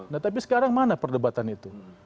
nah tapi sekarang mana perdebatan itu